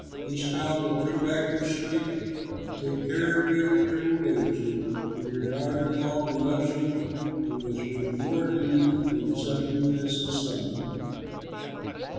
This child will bring back your strength and take care of you in your old age; for your daughter in law who loves you, who is worth more to you than seven sons, has a son!"